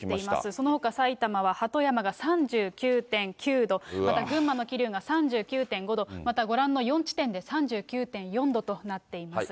そのほか埼玉は鳩山が３９．９度、また群馬の桐生が３９．５度、またご覧の４地点で３９．４度となっています。